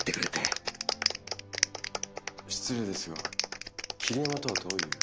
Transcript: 失礼ですが桐山とはどういう。